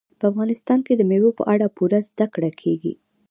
په افغانستان کې د مېوو په اړه پوره زده کړه کېږي.